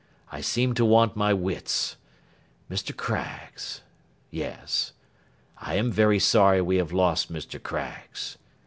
I seem to want my wits. Mr. Craggs—yes—I am very sorry we have lost Mr. Craggs.